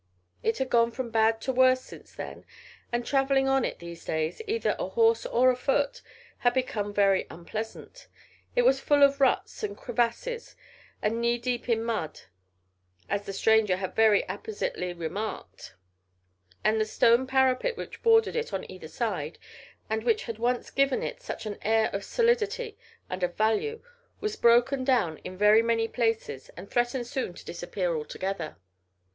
It had gone from bad to worse since then, and travelling on it these days either ahorse or afoot had become very unpleasant. It was full of ruts and crevasses and knee deep in mud, as the stranger had very appositely remarked, and the stone parapet which bordered it on either side, and which had once given it such an air of solidity and of value, was broken down in very many places and threatened soon to disappear altogether.